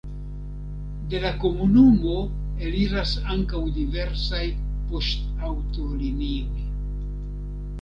De la komunumo eliras ankaŭ diversaj poŝtaŭtolinioj.